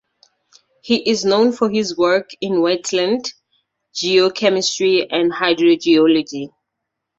He is known for his work in wetland geochemistry and hydrogeology.